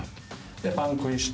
でパン食いして。